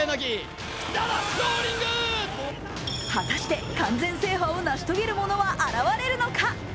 果たして完全制覇を成し遂げる者は現れるのか？